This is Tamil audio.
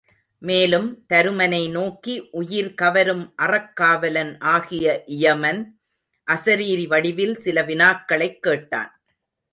மேலும் தருமனை நோக்கி உயிர் கவரும் அறக் காவலன் ஆகிய இயமன் அசரீரி வடிவில் சில வினாக்களைக் கேட்டான்.